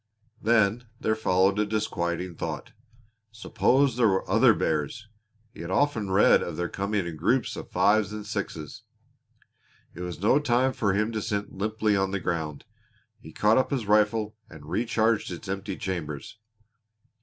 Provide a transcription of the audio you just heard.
Then there followed a disquieting thought suppose there were other bears! He had often read of their coming in groups of fives and sixes. It was no time for him to sit limply on the ground. He caught up his rifle and recharged its empty chambers.